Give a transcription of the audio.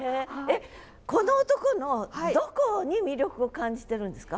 っこの男のどこに魅力を感じてるんですか？